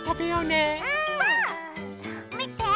みて！